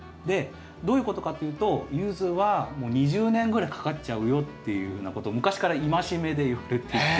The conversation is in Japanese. どういうことかというとユズはもう２０年ぐらいかかっちゃうよっていうようなことを昔から戒めでいわれていて。